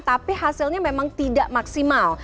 tapi hasilnya memang tidak maksimal